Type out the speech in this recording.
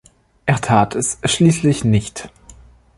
Er tat es schließlich nicht.